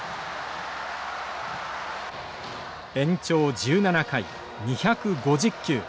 延長１７回２５０球。